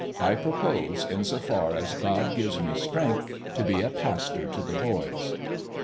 I propose, in so far as God gives me strength, to be a pastor to the boys."